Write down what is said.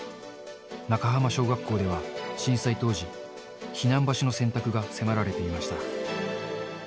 中浜小学校では、震災当時、避難場所の選択が迫られていました。